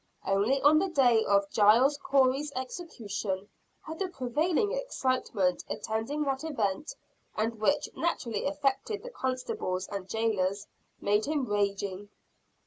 Only on the day of Giles Corey's execution had the prevailing excitement attending that event, and which naturally affected the constables and jailers, made him raging.